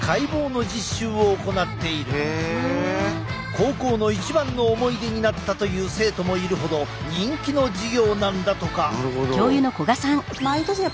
高校の一番の思い出になったという生徒もいるほど人気の授業なんだとか。